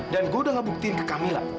dan saya sudah membuktikan kepada kamila